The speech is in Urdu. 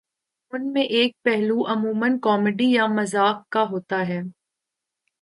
ان میں ایک پہلو عمومًا کامیڈی یا مزاح کا ہوتا ہے